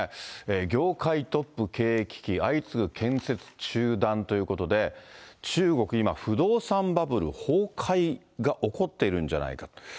業界トップ経営危機、相次ぐ建設中断ということで、中国、今、不動産バブル崩壊が起こっているんじゃないかって。